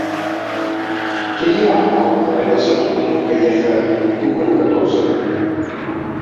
Què hi ha al carrer de Saturnino Calleja número catorze?